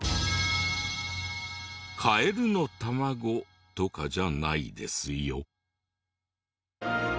カエルの卵とかじゃないですよ。